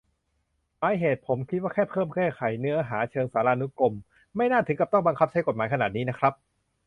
หมายเหตุ : ผมคิดว่าแค่เพิ่มแก้ไขเนื้อหาเชิงสารานุกรม ไม่น่าถึงกับต้องบังคับใช้กฎหมายขนาดนี้นะครับ